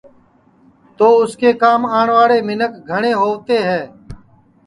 تو اُس کے کام آوڻْواݪے مینکھ گھڻْے ہووتے ہے